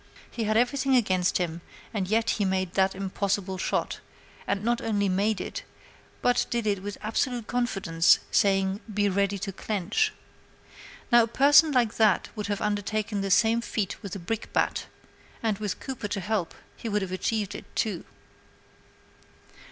He had everything against him, and yet he made that impossible shot; and not only made it, but did it with absolute confidence, saying, "Be ready to clench." Now a person like that would have undertaken that same feat with a brickbat, and with Cooper to help he would have achieved it, too.